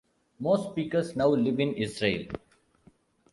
Most speakers now live in Israel.